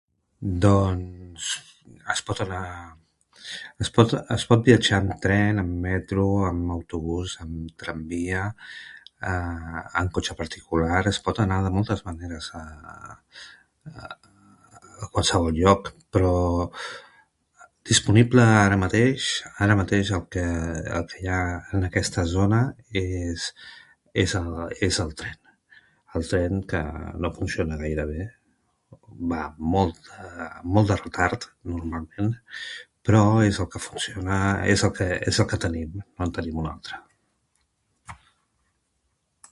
Doncs es pot anar... es pot viatjar en tren, en metro, en bus, en tramvia, en cotxe particular… es pot anar de moltes maneres a qualsevol lloc, però ara mateix el que hi ha disponible en aquesta zona és el tren, un tren que no funciona gaire bé i que va amb molt de retard, però és el que tenim; no en tenim cap altre.